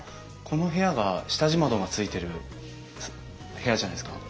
この部屋が下地窓がついてる部屋じゃないですか？